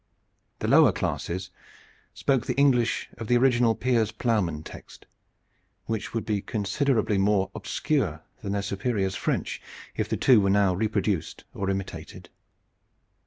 The lower classes spoke the English of the original Piers Plowman text, which would be considerably more obscure than their superiors' French if the two were now reproduced or imitated.